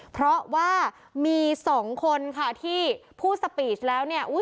เพราะว่ามีสองคนค่ะที่พูดสปีดแล้วเนี่ย